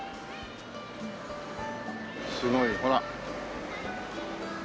すごいほら。